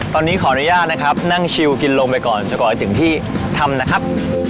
ตอนนี้ขออนุญาตนะครับนั่งชิวกินลงไปก่อนจะก่อนถึงที่ทำนะครับ